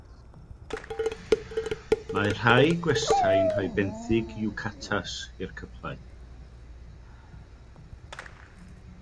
Mae rhai gwestai'n rhoi benthyg yukatas i'r cyplau.